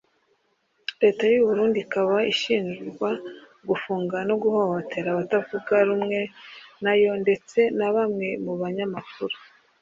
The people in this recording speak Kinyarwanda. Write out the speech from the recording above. Leta y’u Burundi ikaba ishinjwa gufunga no guhohotera abatavuga rumwe nayo ndetse na bamwe mu banyamakuru